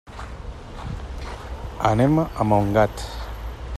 Anem a Montgat.